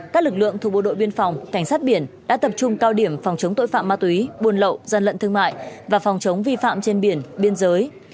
các lực lượng thuộc bộ đội biên phòng cảnh sát biển đã tập trung cao điểm phòng chống tội phạm ma túy buồn lậu gian lận thương mại và phòng chống vi phạm trên biển biên giới